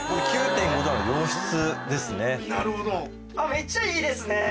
めっちゃいいですね。